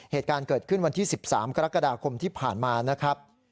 เหตุการณ์เกิดขึ้นวันที่๑๓กรกฎาคมที่ผ่านมานะครับ